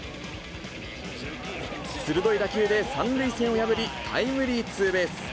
鋭い打球で３塁線を破り、タイムリーツーベース。